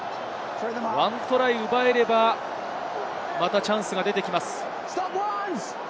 １トライ奪えれば、またチャンスが出てきます。